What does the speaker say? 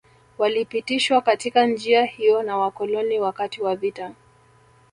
Walipitishwa katika njia hiyo na Wakoloni wakati wa vita